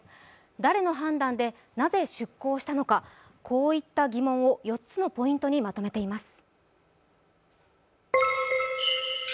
誰の判断でなぜ出航したのか、こういった疑問を４つのポイントにまとめています。